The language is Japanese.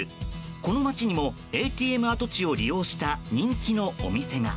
この町にもＡＴＭ跡地を利用した人気のお店が。